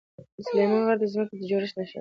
سلیمان غر د ځمکې د جوړښت نښه ده.